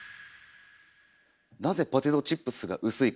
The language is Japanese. なぜポテトチップスが薄いか。